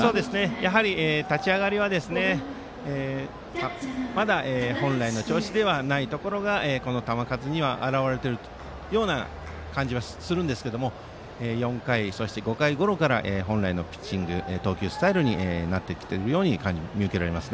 やはり立ち上がりはまだ本来の調子ではなかったところがこの球数に表れているような感じはするんですが４回、そして５回ごろから本来のピッチング投球スタイルになってきているように見受けられます。